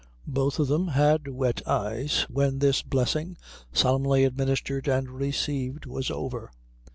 Both of them had wet eyes when this blessing, solemnly administered and received, was over.